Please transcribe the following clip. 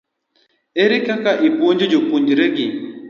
ere kaka ipuonjo jopuonjregi?